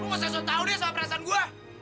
lo nggak usah selalu tau deh soal perasaan gue